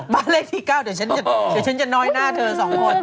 บ้านเลขที่๙เดี๋ยวฉันจะน้อยหน้าเธอ๒คน